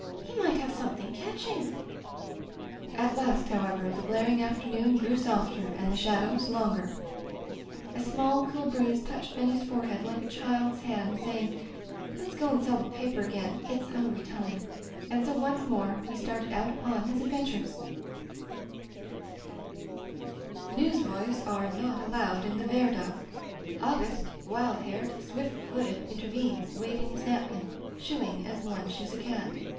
He might have something catching." At last, however, the glaring afternoon grew softer, and the shadows longer. A small, cool breeze touched Benny's forehead like a child's hand, saying: "Let's go and sell the paper again, it's hungry time," and so once more he started out upon his ad ventures. [II] Digitized by LjOOQ IC Interventions Newsboys are not allowed in the Viardot. Augustc, wild haired, swift footed, inter venes, waving his napkin, shooing as one shoos a cat.